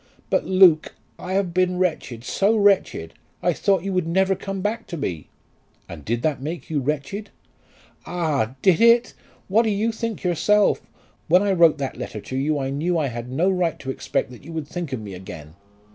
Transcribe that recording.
"But, Luke, I have been wretched; so wretched! I thought you would never come back to me." "And did that make you wretched?" "Ah! did it? What do you think yourself? When I wrote that letter to you I knew I had no right to expect that you would think of me again."